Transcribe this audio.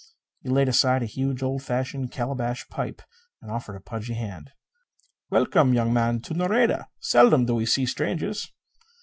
He laid aside a huge, old fashioned calabash pipe and offered a pudgy hand. "Welcome, young man, to Nareda. Seldom do we see strangers."